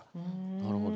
なるほど。